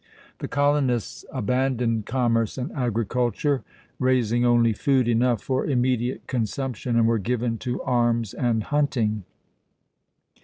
The colonists abandoned commerce and agriculture, raising only food enough for immediate consumption, and were given to arms and hunting.